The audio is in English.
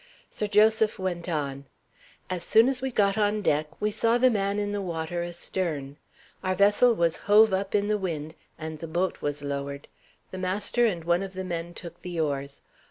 Sir Joseph went on: "As soon as we got on deck, we saw the man in the water, astern. Our vessel was hove up in the wind, and the boat was lowered. The master and one of the men took the oars.